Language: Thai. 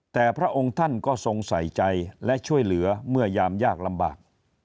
แต่พระองค์ท่านก็ทรงใส่ใจและช่วยเหลือเมื่อยามยากลำบาก